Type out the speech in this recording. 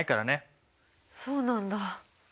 そうなんだ。